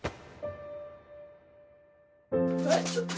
えっちょっと。